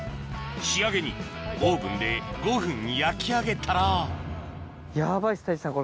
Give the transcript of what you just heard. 仕上げにオーブンで５分焼き上げたらヤバいっす太一さん